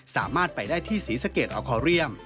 สามารถไปได้ที่ศรีสะเกดออคอเรียม